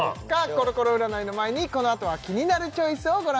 コロコロ占いの前にこのあとは「キニナルチョイス」をご覧ください